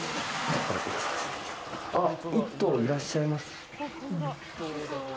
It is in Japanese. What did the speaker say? １頭いらっしゃいます。